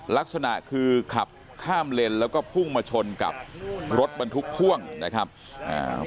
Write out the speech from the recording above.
ลักษณะคือขับข้ามเลนแล้วก็พุ่งมาชนกับรถบรรทุกพ่วงนะครับอ่า